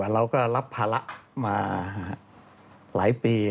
เราก็รับภาระมาหลายปี